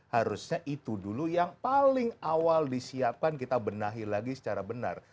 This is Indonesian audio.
harusnya itu dulu yang paling awal disiapkan kita benahi lagi secara benar